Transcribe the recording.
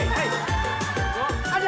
kenapa sih ada